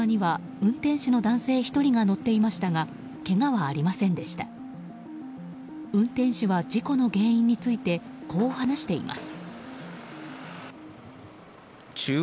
運転手は事故の原因についてこう話しています。